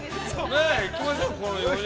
◆ねっ行きましょ、ここの４人。